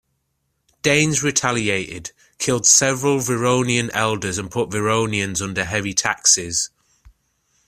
Danes retaliated, killed several Vironian elders and put Vironians under heavy taxes.